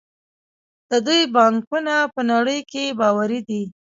د دوی بانکونه په نړۍ کې باوري دي.